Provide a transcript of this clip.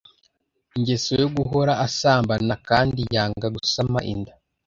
ingeso yo guhora asambana kandi yanga gusama inda